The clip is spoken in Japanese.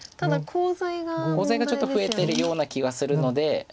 コウ材がちょっと増えてるような気がするので。